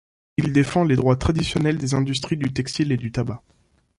Il défend les droits traditionnels des industries du textile et du tabac.